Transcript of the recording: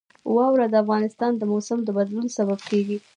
واوره د افغانستان د موسم د بدلون سبب کېږي.